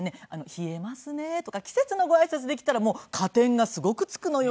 「冷えますね」とか季節のご挨拶できたらもう加点がすごくつくのよ。